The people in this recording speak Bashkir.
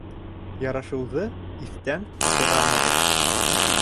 — Ярашыуҙы иҫтән сығармағыҙ!